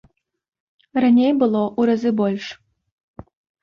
Раней было ў разы больш.